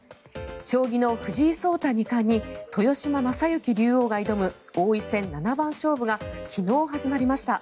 将棋の藤井聡太二冠に豊島将之竜王が挑む王位戦七番勝負が昨日、始まりました。